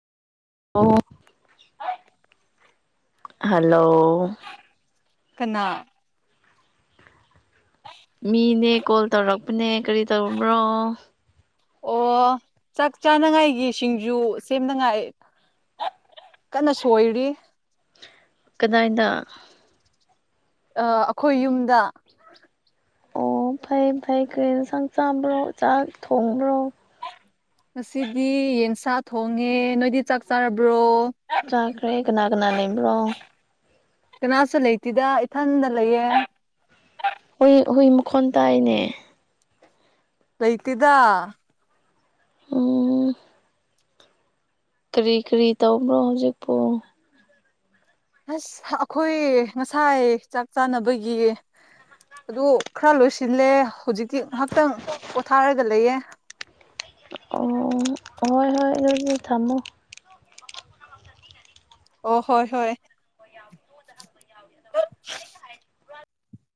ꯑꯣ ꯍꯜꯂꯣ ꯀꯅꯥ ꯃꯤꯅꯦ ꯀꯣꯜ ꯇꯧꯔꯛꯄꯅꯦ ꯀꯔꯤ ꯇꯧꯕ꯭ꯔꯣ ꯑꯣ ꯆꯥꯛ ꯆꯥꯅꯉꯥꯏꯒꯤ ꯁꯤꯡꯖꯨ ꯁꯦꯝꯅꯉꯥꯏ ꯀꯟꯅ ꯁꯣꯏꯔꯤ ꯀꯗꯥꯏꯗ ꯑꯥ ꯑꯩꯈꯣꯏ ꯌꯨꯝꯗ ꯑꯣ ꯐꯩ ꯐꯩ ꯀꯔꯤ ꯏꯟꯁꯥꯡ ꯆꯥꯕ꯭ꯔꯣ ꯆꯥꯛ ꯊꯣꯡꯕ꯭ꯔꯣ ꯉꯁꯤꯗꯤ ꯌꯦꯟꯁꯥ ꯊꯣꯡꯉꯦ ꯅꯣꯏꯗꯤ ꯆꯥꯛ ꯆꯥꯔꯕ꯭ꯔꯣ ꯆꯥꯈ꯭ꯔꯦ ꯀꯅꯥ ꯀꯅꯥ ꯂꯩꯕ꯭ꯔꯣ ꯀꯅꯥꯁꯨ ꯂꯩꯇꯦꯗ ꯏꯊꯟꯗ ꯂꯩꯌꯦ ꯍꯏ ꯍꯨꯏ ꯃꯈꯣꯟ ꯇꯥꯏꯅꯦ ꯂꯩꯇꯤꯗ ꯎꯝ ꯀꯔꯤ ꯀꯔꯤ ꯇꯧꯕ꯭ꯔꯣ ꯍꯧꯖꯤꯛꯄꯨ ꯑꯁ ꯑꯩꯈꯣꯏ ꯉꯁꯥꯏ ꯆꯥꯛ ꯆꯥꯅꯕꯒꯤ ꯑꯗꯨ ꯈꯔ ꯂꯣꯏꯁꯤꯜꯂꯦ ꯍꯧꯖꯤꯛꯇꯤ ꯉꯍꯥꯛꯇꯪ ꯄꯣꯊꯥꯔꯒ ꯂꯩꯌꯦ ꯑꯣ ꯍꯣꯏ ꯍꯣꯏ ꯑꯗꯨꯗꯤ ꯊꯝꯃꯣ ꯑꯣ ꯍꯣꯏ ꯍꯣꯏ [unintelligible] ꯑꯩꯅ ꯍꯥꯏꯗꯤ ꯍꯨꯔꯥꯟ